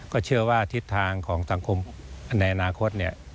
ก็เชื่อว่าทิศทางของสังคมในอนาคต